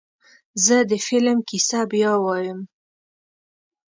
زه د فلم کیسه بیا وایم.